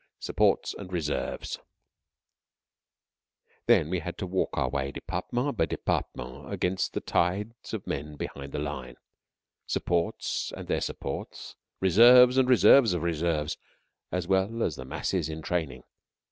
SUPPORTS AND RESERVES Then we had to work our way, department by department, against the tides of men behind the line supports and their supports, reserves and reserves of reserves, as well as the masses in training.